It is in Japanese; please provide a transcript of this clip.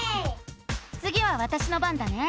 つぎはわたしの番だね。